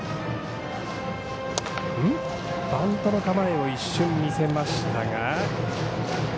バントの構えを一瞬見せましたが。